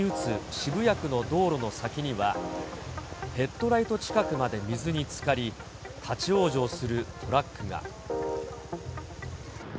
渋谷区の道路の先には、ヘッドライト近くまで水につかり、立往生するトラックが。